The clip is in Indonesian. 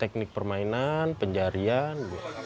teknik permainan penjarian